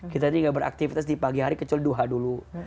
kita tinggal beraktivitas di pagi hari kecuali duha dulu